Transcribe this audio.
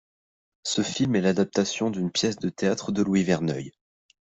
Ce film est l'adaptation d'une pièce de théâtre de Louis Verneuil.